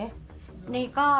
di sini di bawah